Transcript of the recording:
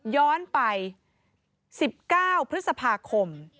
ย้อนไป๑๙พฤษภาคม